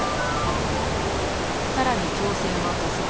更に挑戦は加速する。